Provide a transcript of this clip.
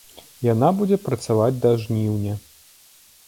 Яна будзе працаваць да жніўня.